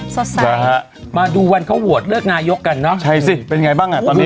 สดใสนะฮะมาดูวันเขาโหวตเลือกนายกกันเนอะใช่สิเป็นไงบ้างอ่ะตอนนี้